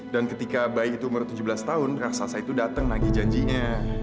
dan ketika bayi itu umur tujuh belas tahun raksasa itu datang nagih janjinya